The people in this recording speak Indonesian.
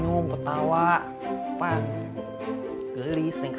tapi berarti ada ada salrice athletens